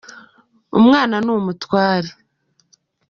Umwana ni umutware.